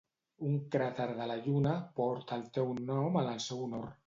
Un cràter de la Lluna porta el teu nom en el seu honor.